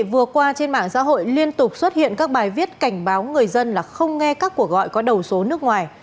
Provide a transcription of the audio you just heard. vừa qua trên mạng xã hội liên tục xuất hiện các bài viết cảnh báo người dân là không nghe các cuộc gọi có đầu số nước ngoài